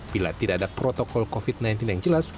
bila tidak ada protokol covid sembilan belas yang jelas